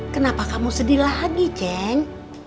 kenapa kamu sedih lagi ceng